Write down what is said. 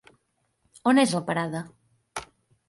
On és la parada?